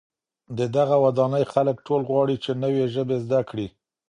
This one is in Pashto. د دغي ودانۍ خلک ټول غواړي چي نوې ژبې زده کړي.